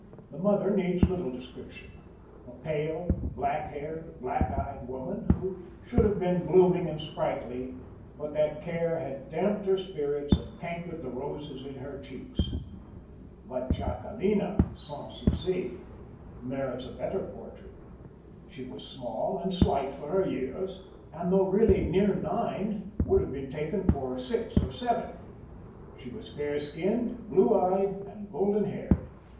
The mother needs little description a pale, black haired, black eyed woman, who should have been blooming and sprightly, but that care had damped her spirits, and cankered the roses in her cheeks. But Jacquelina Sans Souci merits a better portrait. She was small and slight for her years, and, though really near nine, would have been taken for six or seven. She was fair skinned, blue eyed and golden haired.